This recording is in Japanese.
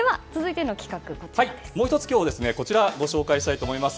もう１つ、今日はこちらご紹介したいと思います。